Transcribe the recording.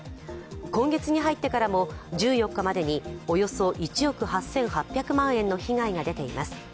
今月に入ってからも１４日までにおよそ１億８８００万円の被害が出ています。